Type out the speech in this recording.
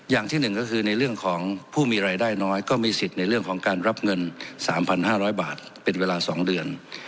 อย่างที่๑ก็คือในเรื่องของผู้มีรายได้น้อยก็มีสิทธิ์ในเรื่องของการรับเงิน๓๕๐๐บาทเป็นเวลา๒เดือน